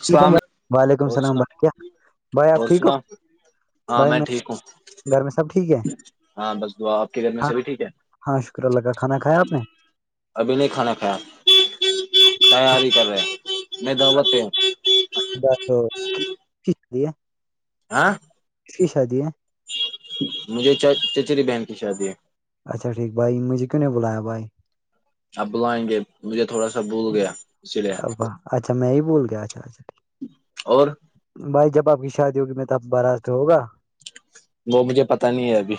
اللام وعلیکم وعلیکم علیکم اور السلام سنا بھائی کیا بھائی آپ اور ٹھیک ہو سنا ہاں میں ٹھیک ہوں گھر میں سب ٹھیک ہے ہاں بس دعا آپ کے گھر میں ہاں سےبھی ٹھیک ہے ہاں شکر اللہ کا کھانا کایا آپ نے ابھی نہیں کھانا کھایا تیاری کر رہے میں دعوت ہ اچ دا تو جیا [inaudible] آاں [inaudible] ک کی شادی ہے مجھے چ چچری بہن کی شادی ہے اچھاٹھیک بھائی مجھے کیوں بلایا بائی آپ بلائیں گے مجھے تھوڑا سا بھول گیا اسی لیے ا اچھا میں ہی بول گیا اچھا اچھا اور بھائی جب آپ کی شادی ہوگی میں تو باراز پہ ہوگا وہ مجھے پتا نہیں ہے ابھی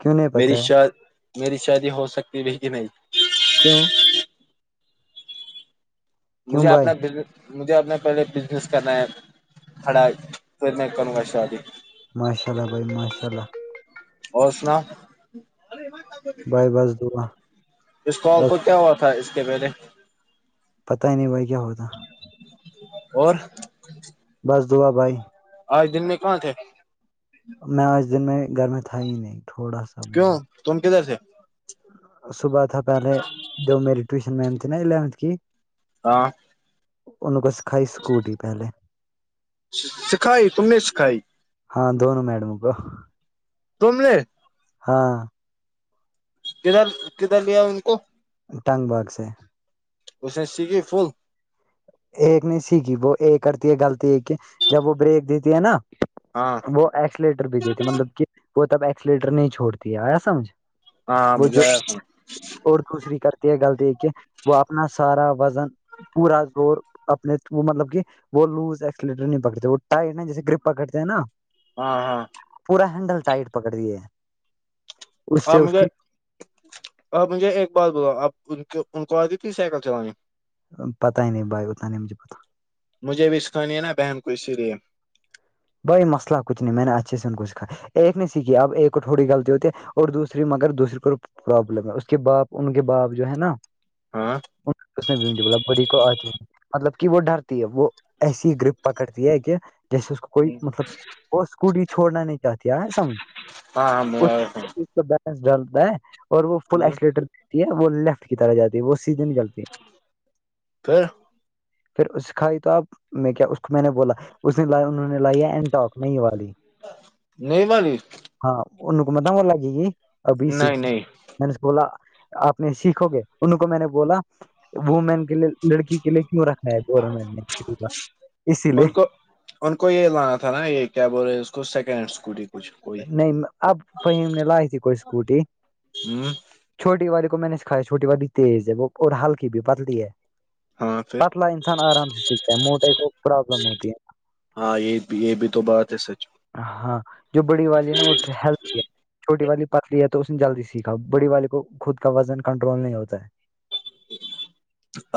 کیوں نہیں میری پتا ہے ش میری شادی ہو سکتی ب کہ نہیں کیا کیوں مجھے بھائی اپنا دل مجھے اپنے پہلے بزنس کرنا ہے کھڑا پھر میں کروں گا شادی ماشاءلہ بھائی ماشاء اللہ اور سنا بھائی بس دعا اس کال کو کیا ہو تھا اس کے پلے پتا ہی نہیں بھائی کیا ہوتا اور بس دعا بھائی آج دن میں کواں تھے میں آ دن میں گھر میں تھ تھاائ نہیں تھوڑا سا بھی کیوں نہیں تم کیدھر سے صبح تھا پہلے جو میری ٹیوشن میم تھی نا الیونتھ کی ہاں ان کو سکھائی سکوٹی پہلے سکھائی تم نے سکھائی ہاں دونوں میڈم کو تم نےے [unintelligible] ہاں کدھر کدھر لیا ان کو ٹنگ باغ سے اسس سیھے فون [unintelligible] ایک نہیں سیکھی وہ ایک کرتی ہے غلطی ایک کی جب وہ بریک دیتی ہے نا ہاں وہ ایکسلیٹر بھی دیتے مطلب کہ وہ تب ایکسلیٹر نہیں چھوڑتی ہے آیا سمجھ ہاںاں وہ مجھے جو آ س اور دوسری کرتی ہے غلطی کہ وہ اپنا سارا وزن پورا اور اپنے وہ مطلب کہ وہ لوز ایکسلیٹر نہیں پکڑتے وہ ٹائٹ جیسے گرپ پکڑتے ہیں نا ہاں ہاں پورا ہینڈل ٹائٹ پکڑیے آپ مجھے آپ مجھے ایک بار بلا آپ ان کو آتی تھی سائیکل چلانی پتہ ہی نہیں بائے اوت ہی مج پتہ مجھے بھی اسکانی ہے نا بہن کو اسی لیے بھائی مسلہ کچھ نہیں میں نے اچھے سے ان کو سکھایا ایک نے سیکھی اب ایک کو تھوڑی غلطی ہوتی ہے اور دوسری مگر دوسری کو پروابلم ہے اس کے باپ ان کے باپ جو ہے نا ہاں ھ ب بڑی کو آتی مطلب کہ وہ ڈرتی ہے وہ ایسی گروپ پکڑتی ہے کہ جیسے اس کو کوئی ہاں مطلب وہ اسکوٹی چھڑنا نہیں چاہتی سمج ہاں ہاں اس کا بیلنس ڈالتا ہے اور وہ فل ایکسولیٹرتی ہے وہ لیفٹ کی طرح جاتی ہے وہ سیدھے چلتی ہے پھر پھر اس کھائی تو آپ میں کیا اس کو میں نے بولا اس نے لایا انہوں نے لائی ہے اینٹوک نہیں والی نہیں والال [unintelligible] ہاں ان ن کوومت وال لگی گئی ابھی نہیں نہیں میں نے بولا آپ نے سیکھو گے ان کو میں نے بولا وومین کے لیے لڑکی کے لیے کیوں رکھا ہے گورمنٹ نےا اسی لیے ان کو ان کو یہ لانا تھا نا یہ کیبول رہے اس کو سیکنڈ ہینڈ اسکوٹی کچھ کوئی نہیں اب وہ نے لائی تھی کوئی اسکوٹی ہ چھوٹی والی کو میں نے سکھائییا چوٹی والی تیز ہے وہ اور ہلکی بھی پتلی ہے ہاں پھر پتلا انسان آرام سے سیکھتا ہیں موٹے کو پرابلم ہوتی ہے ہاں یہ یہ بھی تو بات ہے سچ [unintelligible] ہاں جو بڑی والی ہے نا وہٹل ہے چھوٹی والی پتلی ہے تو اس نے جلدی سیکھا بڑی والی کو خود کا وزن کنٹرول نہیں ہوتا ہے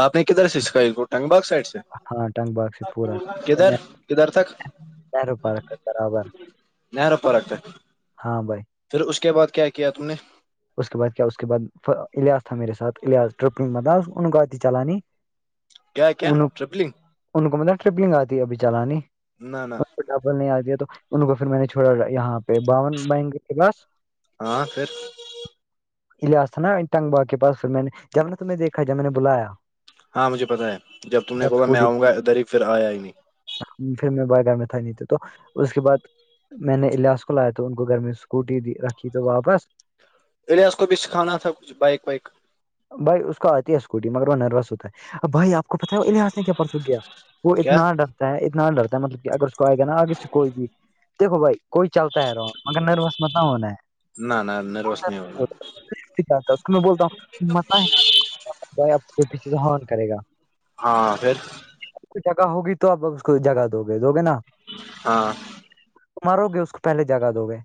آپ نے کدھر سے سکھاائی ٹگ باغ سائڈ سے ہاں ٹنگ باغ سے پورا کدھر کدھر تک نہرو پارک کے برابر [unintelligible] نہروں پارک ہے ہاں بھائی پھر اس کے بعد کیا کیا تم نے اس کے بعد کیا اس کے بعد ایاس تھا میرے ساتھ ایاس ٹرپل مطلب ان کو آتی چلانی کیا کیا ان ٹریپلنگ ان کو مطلب ٹرپنگ آتی ہے ابھی چلانی نہ نہ [unintelligible] کو نہیں آ دیا تو ان کو پھر میں نے چھوڑا یہاں پہ باون ب پاس ہاں پھر ایاس تھا نا انٹنگ باغ پس پھر میں نے جب نے تمہ دھا جب میں نے بلایا ہاں مجھے پتا ہے جب تم نے کہوگا میں آؤں گا ا در پھر آیا ہی نہیں پھر میں بار گار میں تھا ہی نہیں ت تو اس کے بعد میں نے الاس کو لایا تو ان کو گھر میں اسکوٹی رکھی تو واپس رڈیاز کو بھی سکھانا تھا کچھ بائک وائک بھائی اس کو آتی ہے اسکوٹی مگر وہ نروس ہوتا ہےب بھائی آپ کو پت ہے وہ انحاظ نے کیاپ پر سک گیا وہ کیا اتنا ڈرتا ہے اتنا ڈرتا ہے مطلب کہ اگر اس کہے گا نا آگے سے کوئی بھی دیکھو بھائی کوئی چلتا ہے رہو مگر نروس مت ہونا نہ نہ نروس نہیں ہونا ہے کیاتا تم بولتا بھائی آپ کو کوئی پیچھے سے حان کرے گا ہاں پھر آ کو جگہ ہوگی تو اپ اس کو جگہ دو گے دو گے نا ہاں مرو گے اس کو پہلے جگہ دو گے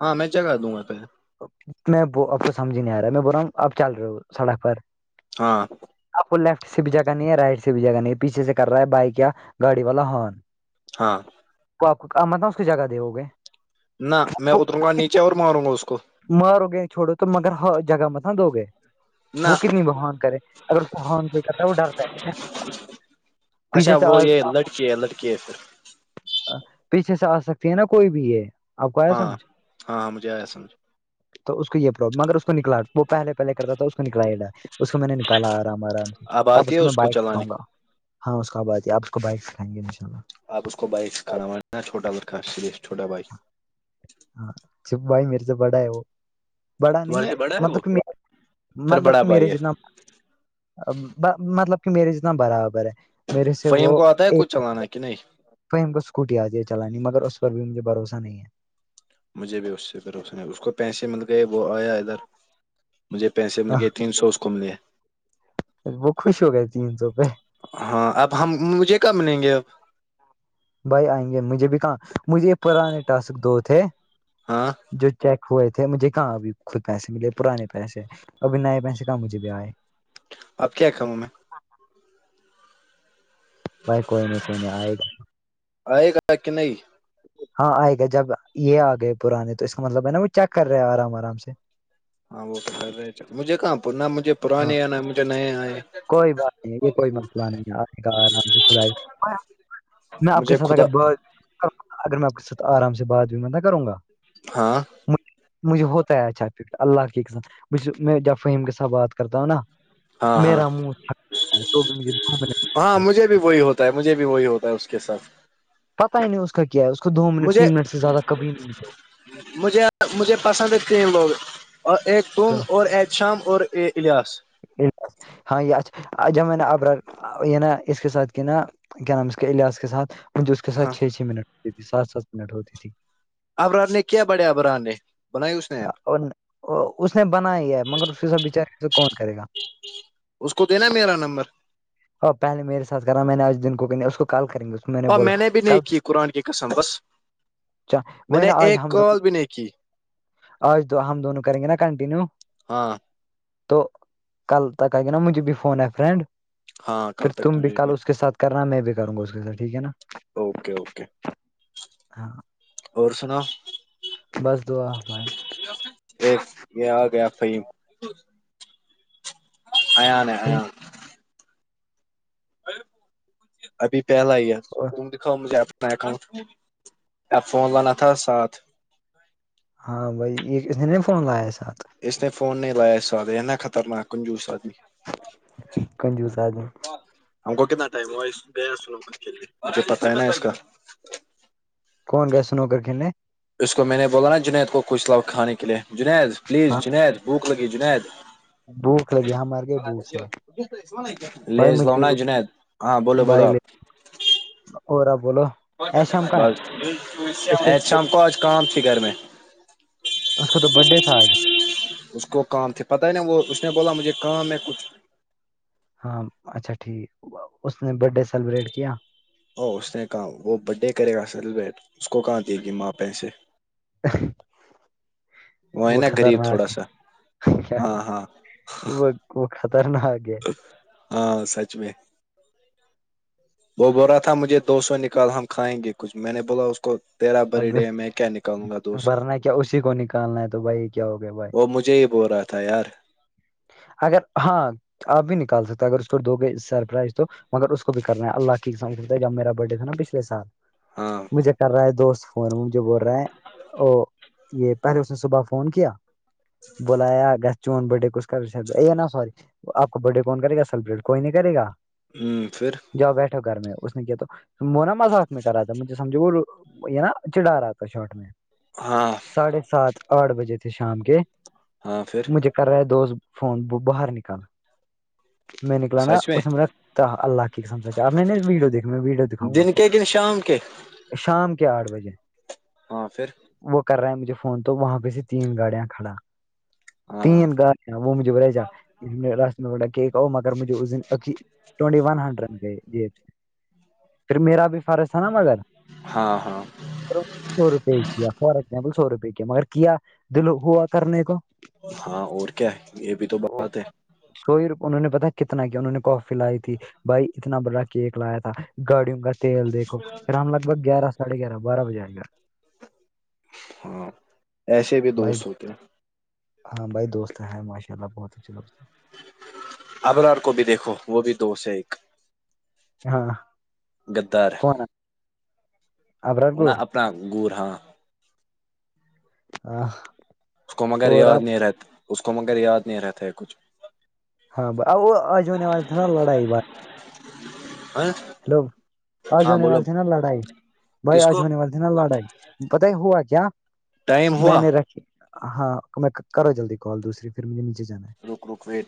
ہاں میں جگا دوں گااں پہ میں اب تو سمج ہی نہیں آ رہا میں بول رہا ہوں اب چل رہے ہو سڑک پر ہاں آپ کو لیفٹ سے بھی جگہ نہیں ہے رائٹ سے بھی جگہ نہیں ہے پیچھ سے کر رہا ہے بائی کیا گاڑی والا ہن ہاں تو آپ کو مطلب اس کی جگہ دو گے نہ میں اتروں گا نیچے اور ماروں گا اس کو مرو گئے چھوڑو تو مگر ہ جگہ مت ن دو گئے وہ نہ کتنی بہان کرے اگران کوئی کرتا ہے وہ ڈرتا ہے اچھا پیچھے سے وہ یہ آ لٹکی ہے لٹکی ہے پھر پیچھے سے آ سکتی ہے نا کوئی بھی یہ آپ کو آیا ہاں سمجھ ہاں ہاں مجھے آیا سمجھ تو اس کو یہ پرابلم اگر اس کو نکلا وہ پہلے پہلے کرتا تھا اس کو نکلا ڈا اس کو میں نے نکالا آرام آرام سے اب اس کو میں بائک سکھاؤ گا ہاں اس بع یہ آپ اس کو بائک سکھائیں گے ان شاءلہ آپ اس کو بائک سےھاناا چوا باں چھوٹا بائک ہاںچ چھپ بھائی میرے سے بڑا ہے وہ بڑا نہیں تمہارے ہے سے بڑا وہ مطلب کہ پھر مطلب بڑا کہ میرے بھائی ہے جتنا مطلب کہ میرے جتنا برابر ہے میرے سے فہیم وہ کو آتا ہے ایک کچھ چلانا کہ نہیں وہائی ہم کو اسکوٹی آ جی ہے چلانی مگر اس پر بھی مجھے بھروسہ نہیں ہے مجھے بھی اس سے بھروسنے اس کو پیسے مطل کے وہ آیا مجھے پیسے مل آہ، گئے تین سو اس کو ملے وہ خوش ہو گئے تین سو پہ ہاں اب ہم مجھے کب ملیں گے اب بھائی آئیں گے مجھے بھی کہاں مجھے پرانے ٹاسک دو تھے ہاں جو چیک ہوئے تھے مجھے کہاں ابھی خود پیسے ملے پرانے پیسے ابھی نئے پیسے کہاں مجھے بھی آئے آپ کیا کہاوں میں وائی کوئی نہیں کوئی نہیں آئے گا اوئے گا کہ نہیں ہاں آئے گا جب یہ آ گئے پرانے تو اس کا مطلب ہے نا وہ چیک کر رہے ہیں آرام آرام سے ہاں وہ تو کر رہے مجھے کہاں پر نہ مجھے ہاں پرانے یا نہ مجھے نئے آئے کوئی بات نہیں یہ کوئی مسئلہ نہیں آئے گا آرام سے کھلائے گا میں آپ کے مجھے ساتھ خدا اگر بات اگر میں آپ کے ساتھ آرام سے بات میں کروں گا ہاں مجھے ہوتا ہے اچھا فک اللہ کےھ میں جب فہیم کے ساتھ بات کرتا ہوں نا ہاں ہاں میرا منہ تھکتا ہے تو بھی مجھے گھومنے ہاں مجھے بھی وہی ہوتا ہے مجھے بھی وہی ہوتا ہے اس کے ساتھ پتا ہی نہیں اس کا کیا ہے اس کو دو منٹ مجھے تین منٹ سے زیادہ کبھی نہیں ملتے مجھے مجھے پسند اتنے لوگ اور ا تم تو۔ اور ا شام اور اے الیاس ہاں یہ اچھا جب میں نے اب یہ نا اس کے ساتھ کیا نا کیا نام اس کے ایاس کے ساتھ مجھے اس کے ہاں ساتھ چھ چھ منٹ ہوتی ت سات سات منٹ ہوتی تھی ابران نے کیا بڑھیا ابران نے بنائی اس نے ایپ اور اس نے بنا ہی ہے مگر اسی سب بیچار سے کون کرے گا اس کو دینا میرا نمبر اور پہل میرے سات کر رہا میں نے آج دن کو کہ اس کو کال کریں گے کو ہ بولا میں نے بھی نہیں کل کی قرآن کی قسم بس وہ میں نے نا ایک کال بھی نہیں کی اور ہم دونوں کریں گے نا کنٹینیو ہاں تو کل تک آ گیا نا مجھے بھی فون ہے فرینڈ ہاں پھر کل تک تم بھی تجھے کل اس کے سھ کرنا میں بھی کروں گا اس کے سھ ٹھیک ہے نا اوکے اوکے [unintelligible] اور سنا بس دعا بھائے ا یہ آ گیا فھائی ایاانے ایا ابھی پہلا ہی یار تم دکھاؤ مجھے آ فون لانا تھا سات ہاں بھائی یہ اس نے نہیں فون لایا ہے ساتھ اس نے فون نہیں لایا ساد ہےنا خطرناک کنجوس آدمی کنجوزا د ہم کو کتنا ٹائم ہوا گیا سلے مجھے پتا ہے نا اس کا کون گ س نو کرر کھیلنے اس کو میں نے بولا نا جنید کو کچھ لو کھانے کے لیے جنید پلیز ہاں جنید بھوک لگی جنید بھوک لگی ہم مر گئے بھوک سے بھائی لیز مجھے لؤنا جنید ہاں بولو بھی بولو بھائی لے آپ اور رہ آپ بولو ایشم کا ہے اس کا احت شام کو آج کام تھی گھر میں اس کا تو برتڈ ڈے تھا آج اس کو کام تھے پتہ ہی نہیں وہ اس نے بولا مجھے کام ہے کچھ ہاں اچھا ٹھیک اس نے برت ڈے سیلیبریٹ کیا اورو اس نے کہا وہ برڈ ڈے کرے گا سیلیبریٹ اس کو کہاں دیے گی ماں پیسے ہے وہ نا غریب خطرناک تھوڑا سا ہے کیا ہاں ہاں وہ وہ خطر نہ آگے ہاں سچ میں وہ بول رہا تھا مجھے دو سو نکال ہم کھائیں گے کچھ میں نے بولا اس کو تیرا بر ہم ڈے میں کیا نکالوں گا دو سو ورنہ کیا اسی کو نکالنا ہے تو بھائی یہ کیا ہو گیا بھائی وہ مجھے ہی ب رہا تھا تیار اگر ہاں آپ بھی نکال سکتے اگر اس کو دو گئی سرپرائز تو مگر اس کو بھی کرنا ہے اللہ کی جبیرا برھ ڈے تھا نا پچھے سال ہاں مجھے کر رہا ہے دوست فون مجھے بول رہا ہے او یہ پہلے اس نے صبح فون کیا بلایا گھر چون بڈے ک کر س ہے نا سوری آپ کو برھ ڈے کون کرے گا سیلیبریٹ کوئی نہیں کرےا ہوں پھر جاؤ بیٹھ ہو گھر میں اس نے کیا تو وہ نا مذاق میں کرا تھا مجھے سمجھو وہ یہ نا چڑا رہا تھا شارٹ میں ہاں ساڑھے سات آٹھ بجے تے شام کے ہاں پھر مجھے کر رہا ہے دوست فون باہر نکال میں نکلا نا اس میں رکھتا اللہ کی سمج آپ نے ویڈو دیکھ میں ویڈی دکھاؤ گا آپ دن کو کے کن شام کے شام کے آٹھ بجے ہاں پھر وہ کر رہا ہے مجھے فون تو وہاں پہ سے تین گاڑیاں کھڑا ہاں تین گاڑ وہ مجھے بے جاھر نے راس میں بک آ مگر مجھے اسن ٹٹی ون ہنڈریڈ ج پھر میرا بھی فرض تھا نا مگر ہاں ہاں سو روپئے کیا فار ایگزامپل سو روپئے کیا مگر کیا دل ہوا کرنے کو ہاں اور کیا ہے یہ بھی تو بات ہے کوئی انہوں نے پتا کتنا کیا انہوں نے کافی لائی تھی بھائی اتنا بڑا کیک لایا تھا گاڑیوں کا تیل دیکھو پھر ہم لگ بھگ گیارہ ساڑھے گیارہ بارہ بجے آئے گا ہاں ایسے بھی بھائی دوست ہوتے ہیں ہاں بھائی دوست ہیں ماشاء اللہ بہت اچھے دوست ہیں ابرار کو بھی دیکھو وہ بھی دو سے ایک ہاں گدار کون آ وہ نا ابراتپور اپنا گور ہاں آ اس کو مگر یاد نہیں رہتا اس کو مگر یاد نہیں رہتا ہے کچھ ہاں وہ آج ہونے والے تھے نا لڑائی ب ا ہیلو آج ہونے والے تھے نا لڑائی بھائی کس آج کو ہونے والے لاڑاائی پت ہی ہوا کیا ٹائم میں ہوا نے رکھے ہاں میں کرو جلدی کال دوسری پھر مجھے نیچے جانا ہے رک رک ویٹ